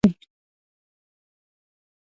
ګډ ژوند د زغم او احترام غوښتنه کوي.